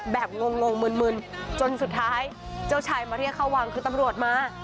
งงมึนจนสุดท้ายเจ้าชายมาเรียกเข้าวังคือตำรวจมา